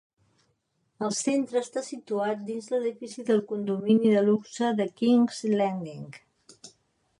El centre està situat dins de l'edifici del condomini de luxe de King's Landing.